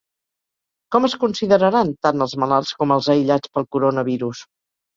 Com es consideraran tant els malalts com els aïllats pel coronavirus?